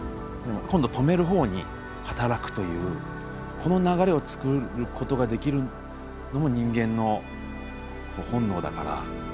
でも今度止める方に働くというこの流れをつくることができるのも人間の本能だから。